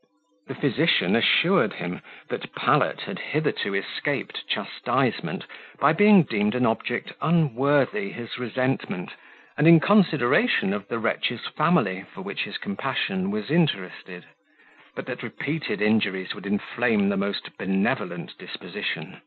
The physician assured him, that Pallet had hitherto escaped chastisement, by being deemed an object unworthy his resentment, and in consideration of the wretch's family, for which his compassion was interested; but that repeated injuries would inflame the most benevolent disposition.